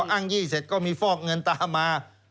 อ้างยี่เสร็จก็มีฟอกเงินตามมา